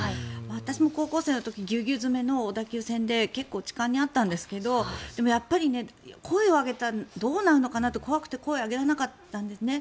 私も高校生の時ぎゅうぎゅう詰めの小田急線で結構、痴漢に遭ったんですがでもやっぱり声を上げたらどうなるのかなと怖くて声を上げられなかったんですね。